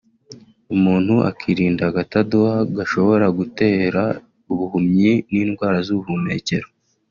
umuntu akirinda agatadowa gashobora gutera ubuhumyi n’indwara z’ubuhumekero”